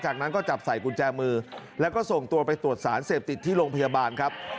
จากนั้นก็จับใส่กุญแจมือแล้วก็ส่งตัวไปตรวจสารเสพติดที่โรงพยาบาลครับ